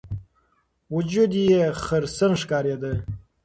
وجود یې خرسن ښکارېده.